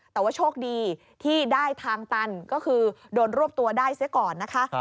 แต่ว่าโชคดีที่ได้ทางตันก็คือโดนรวบตัวได้เสียก่อนนะคะ